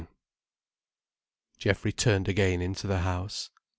Geoffrey turned again into the house.